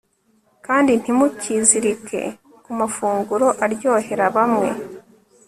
kandi ntimukizirike ku mafunguro aryohera bamwe